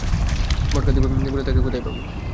ভটকার বলে দিবে তাকে কোথায় পাবি।